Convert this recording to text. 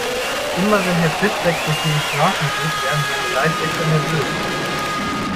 Immer wenn Herr Fitzek durch diese Straßen geht, werden seine Leibwächter nervös.